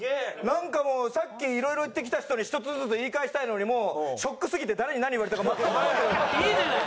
なんかもうさっきいろいろ言ってきた人に１つずつ言い返したいのにもうショックすぎて誰に何言われたか全く覚えてない。